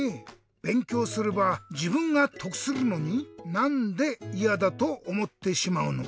べんきょうすればじぶんがとくするのになんでいやだとおもってしまうのか。